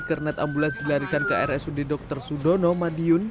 kernet ambulans dilarikan ke rsud dr sudono madiun